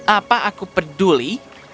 apa aku peduli